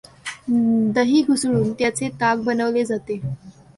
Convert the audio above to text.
दही घुसळून त्याचे ताक बनवले जाते.